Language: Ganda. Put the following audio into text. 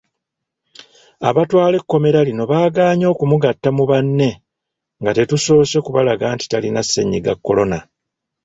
Abatwala ekkomera lino bagaanye okumugatta mu banne nga tetusoose kubalaga nti talina ssennyiga Kolona.